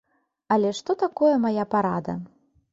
Але што такое мая парада?